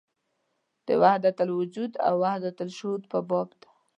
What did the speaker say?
د وحدت الوجود او وحدت الشهود په باب ده.